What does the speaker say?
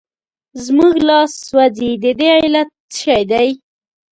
زموږ لاس سوځي د دې علت څه شی دی؟